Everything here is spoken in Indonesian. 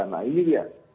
nah ini dia